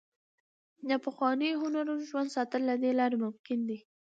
د پخوانیو هنرونو ژوندي ساتل له دې لارې ممکن دي.